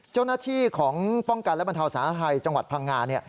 เจ้าหน้าที่ของป้องกันและบรรทาวศาลไทยจังหวัดพังงาน